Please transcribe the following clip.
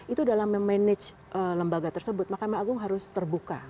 itu dalam memanage lembaga tersebut mahkamah agung harus terbuka